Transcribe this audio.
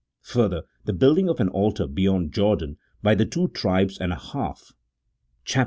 Further, the building of an altar beyond Jordan by the two tribes and a half, chap.